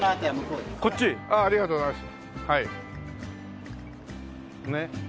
ありがとうございます。